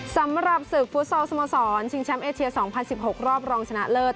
สำหรับศึกฟุตซอลสโมสรชิงแชมป์เอเชีย๒๐๑๖รอบรองชนะเลิศ